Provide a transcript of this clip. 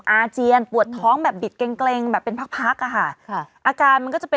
อาเจียนปวดท้องแบบบิดเกร็งแบบเป็นพักพักอ่ะค่ะอาการมันก็จะเป็น